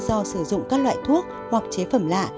do sử dụng các loại thuốc hoặc chế phẩm lạ